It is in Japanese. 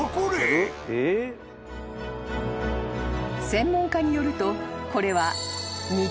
［専門家によるとこれは］